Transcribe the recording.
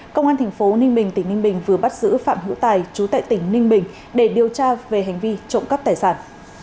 công an thành phố ninh bình tỉnh ninh bình vừa bắt giữ phạm hữu tài chú tại tỉnh ninh bình để điều tra về hành vi trộm cắp tài sản